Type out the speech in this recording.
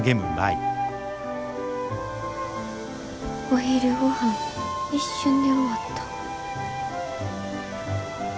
お昼ごはん一瞬で終わった。